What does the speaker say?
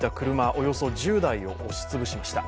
およそ１０台を押しつぶしました。